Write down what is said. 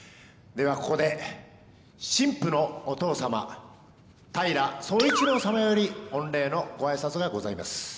ではここで新婦のお父様平総一郎様より御礼のご挨拶がございます。